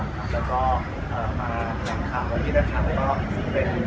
แล้วก็มาแรงขาวและคีย์แน็ตคาร์มก็เป็นสีกลงบริเวณ